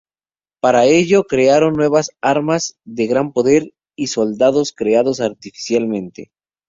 Para ello, crearon nuevas armas de gran poder y soldados creados artificialmente.